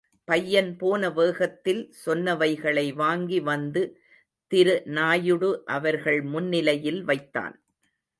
பையன் போன வேகத்தில் சொன்னவைகளை வாங்கி வந்து திரு நாயுடு அவர்கள் முன்னிலையில் வைத்தான்.